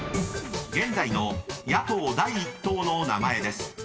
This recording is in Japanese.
［現在の野党第一党の名前です］